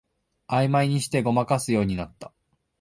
あいまいにしてごまかすようになった